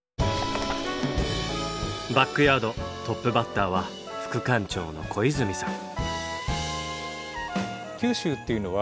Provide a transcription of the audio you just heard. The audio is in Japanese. バックヤードトップバッターは副館長の小泉さん。